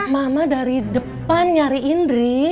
mama dari depan nyari indri